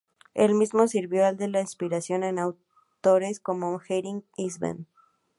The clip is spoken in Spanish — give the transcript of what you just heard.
Él mismo sirvió de inspiración a autores como Henrik Ibsen.